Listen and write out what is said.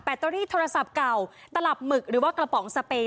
เตอรี่โทรศัพท์เก่าตลับหมึกหรือว่ากระป๋องสเปย